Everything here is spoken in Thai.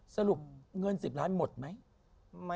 สรุปเงิน๑๐ล้านหมดไหม